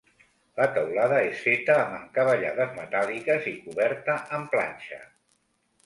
La teulada és feta amb encavallades metàl·liques i coberta amb planxa.